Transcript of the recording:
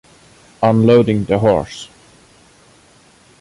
Unloading the horse.